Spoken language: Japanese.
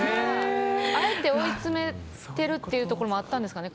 あえて追いつめてるっていうのもあったんですかね。